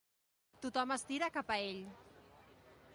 Tothom estira cap a ell.